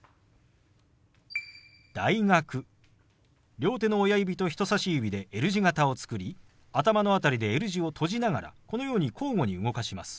両手の親指と人さし指でＬ字型を作り頭の辺りでＬ字を閉じながらこのように交互に動かします。